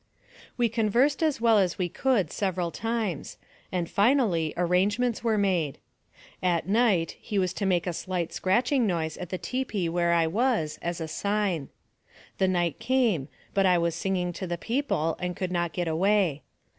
We conversed as well as we could several times, and finally arrangements were made. At night he was to make a slight scratching noise at the tipi where I was, as a sign. The night came, but I was singing to the people, and could not get away.